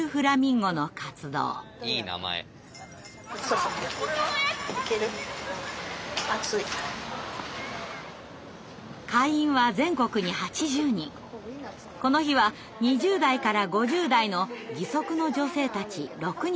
この日は２０代から５０代の義足の女性たち６人が参加しました。